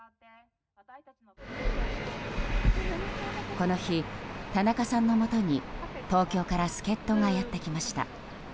この日、田中さんのもとに東京から助っ人がやってきました。